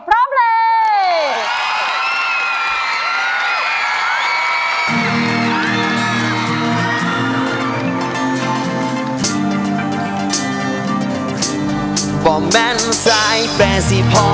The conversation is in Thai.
ปลอมเพลง